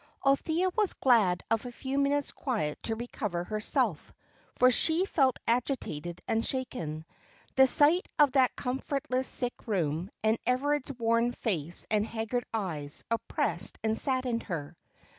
_ Althea was glad of a few minutes' quiet to recover herself, for she felt agitated and shaken. The sight of that comfortless sick room, and Everard's worn face and haggard eyes, oppressed and saddened her.